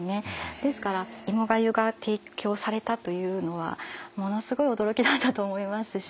ですから芋粥が提供されたというのはものすごい驚きだったと思いますし。